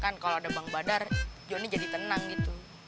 kan kalo ada bang badar jonny jadi tenang gitu